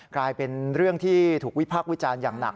กลายเป็นเรื่องที่ถูกวิพากษ์วิจารณ์อย่างหนัก